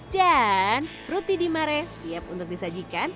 dan roti di mare siap untuk disajikan